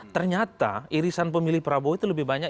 ternyata irisan pemilih prabowo itu lebih banyak